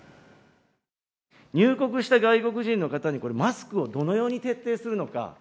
入国した外国人の方に、マスクをどのように徹底するのか。